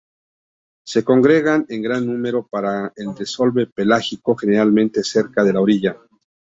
Se congregan en gran número para el desove pelágico, generalmente cerca de la orilla.